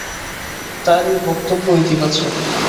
তাঁর এই বক্তব্য ইতিবাচক।